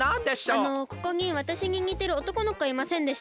あのここにわたしににてるおとこのこいませんでした？